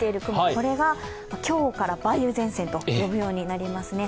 これが今日から梅雨前線と呼ぶようになりますね。